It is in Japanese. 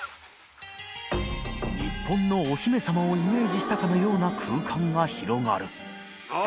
稙椶お姫様をイメージしたかのような空間が広がる磴